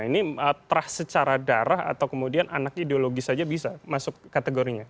ini terah secara darah atau kemudian anaknya ideologis saja bisa masuk kategorinya